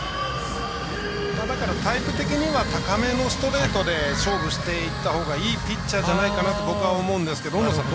だから、タイプ的には高めのストレートで勝負していったほうがいいピッチャーじゃないかなと思うんですが大野さん